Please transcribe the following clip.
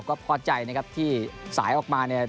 ก็พอใจนะครับที่สายออกมาเนี่ย